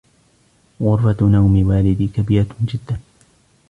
غرفة نوم والدي كبيرة جدا.